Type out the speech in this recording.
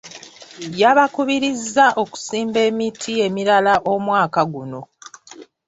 Yabakubirizza okusimba emiti emirala omwaka guno.